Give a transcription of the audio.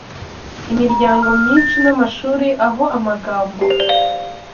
imiryango myinshi n’amashuri aho amagambo